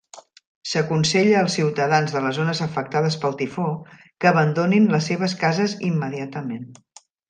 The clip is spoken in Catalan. S'aconsella als ciutadans de les zones afectades pel tifó que abandonin les seves cases immediatament.